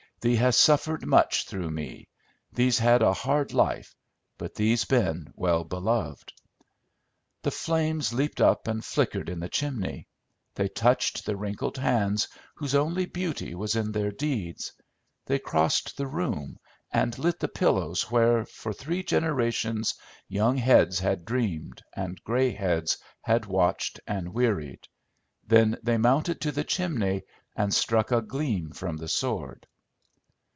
"Thee has suffered much through me; thee's had a hard life, but thee's been well beloved." The flames leaped and flickered in the chimney; they touched the wrinkled hands whose only beauty was in their deeds; they crossed the room and lit the pillows where, for three generations, young heads had dreamed and gray heads had watched and wearied; then they mounted to the chimney and struck a gleam from the sword.